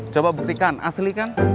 coba buktikan asli kan